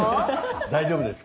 大丈夫ですか？